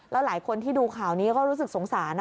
แล้วหลายคนที่ดูข่าวนี้ก็รู้สึกสงสาร